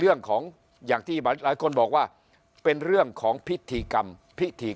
เรื่องของอย่างที่หลายคนบอกว่าเป็นเรื่องของพิธีกรรมพิธี